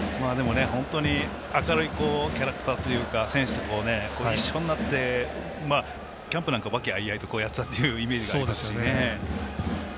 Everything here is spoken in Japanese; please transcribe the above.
本当に明るいキャラクターというか、選手と一緒になってキャンプなんか和気藹々とやってたというイメージがありますしね。